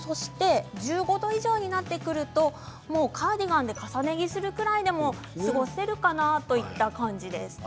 １５度以上になってくるとカーディガンで重ね着するぐらいでも過ごせるかなといった感じです。